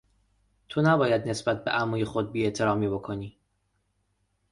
تو نباید نسبت به عموی خود بیاحترامی بکنی!